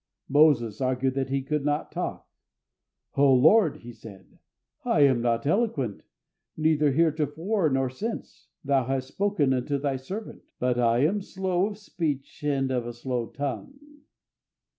Moses argued that he could not talk. "O Lord!" he said, "I am not eloquent, neither heretofore nor since Thou hast spoken unto Thy servant; but I am slow of speech, and of a slow tongue."